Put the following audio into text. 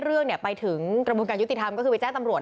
เรื่องไปถึงกระบวนการยุติธรรมก็คือไปแจ้งตำรวจ